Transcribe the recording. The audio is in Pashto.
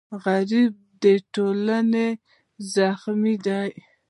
غریب د ټولنې زخم دی